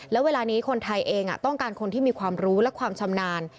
แล้วเวลานี้คนไทยเองต้องการคนที่มีความรู้และความชำนาญ